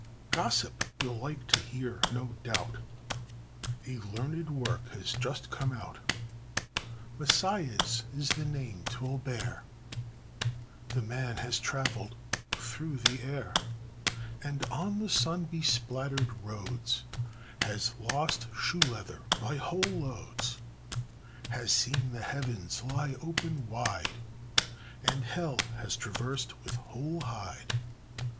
Gossip, you'll like to hear, no doubt! A learned work has just come out Messias is the name 'twill bear; The man has travelled through the air, And on the sun beplastered roads Has lost shoe leather by whole loads, Has seen the heavens lie open wide, And hell has traversed with whole hide.